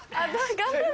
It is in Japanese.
頑張れ。